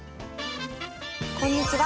こんにちは！